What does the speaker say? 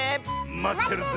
まってるぜ。